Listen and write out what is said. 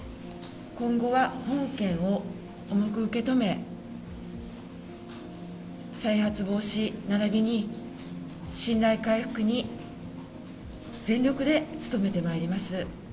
今後は本件を重く受け止め、再発防止ならびに信頼回復に全力で努めてまいります。